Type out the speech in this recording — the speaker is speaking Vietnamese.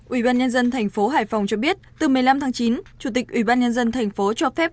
ủy ban nhân dân thành phố hải phòng cho biết từ một mươi năm tháng chín chủ tịch ủy ban nhân dân thành phố cho phép